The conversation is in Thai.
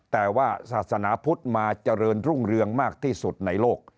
แต่ว่าศาสนาพุทธมาเจริญรุ่งเรืองมากที่สุดในโลก